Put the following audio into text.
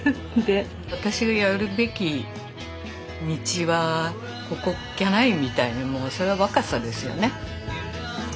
「私がやるべき道はここっきゃない」みたいにもうそれは若さですよね。